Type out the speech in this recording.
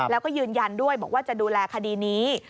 แล้วก็ยืนยันด้วยบอกว่าจะดูแลคดีนี้